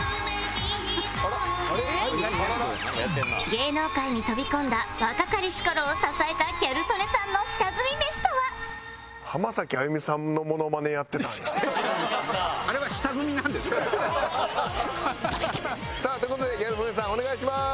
芸能界に飛び込んだ若かりし頃を支えたギャル曽根さんの下積みメシとは？さあという事でギャル曽根さんお願いします！